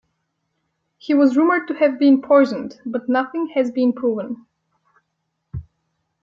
He was rumoured to have been poisoned, but nothing has been proven.